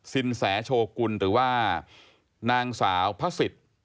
สินแสโชกุลหรือว่านางสาวพระศิษย์